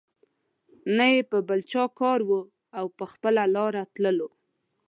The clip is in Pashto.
نه یې په بل چا کار وو او په خپله لار تللو.